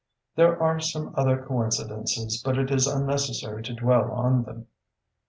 There are some other coincidences, but it is unnecessary to dwell on them.